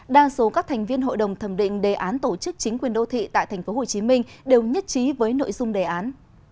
đa số các thành viên hội đồng thẩm định đề án tổ chức chính quyền đô thị tại tp hcm đều nhất trí với nội dung đề án